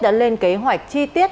đã lên kế hoạch chi tiết